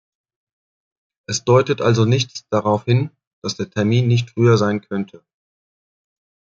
Es deutet also nichts darauf hin, dass der Termin nicht früher sein könnte.